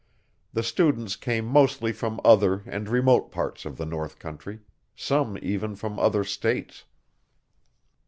The students came mostly from other and remote parts of the north country some even from other states.